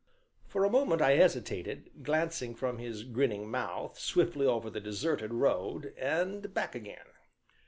For a moment I hesitated, glancing from his grinning mouth swiftly over the deserted road, and back again.